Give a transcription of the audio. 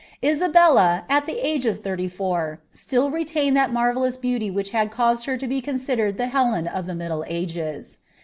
laabelU, at limfi of ihirty ^our, still rtitained that marvellous beauty which hiKl cauid M tu be considered the Helen of the middle ages.